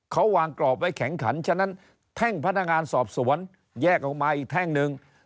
เขาวางกรอบไว้แข็งขันฉะนั้นแท่งพนักงานสอบสวนแยกออกมาอีกแท่งหนึ่ง